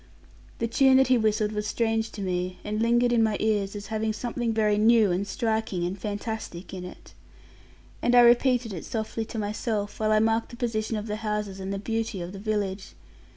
The tune that he whistled was strange to me, and lingered in my ears, as having something very new and striking, and fantastic in it. And I repeated it softly to myself, while I marked the position of the houses and the beauty of the village.